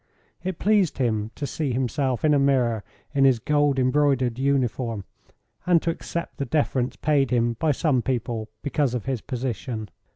It pleased him to see himself in a mirror in his gold embroidered uniform, and to accept the deference paid him by some people because of his position.